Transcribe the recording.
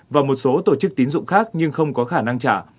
và một số tổ chức tín dụng khác nhưng không có khả năng trả